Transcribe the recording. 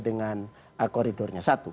dengan koridornya satu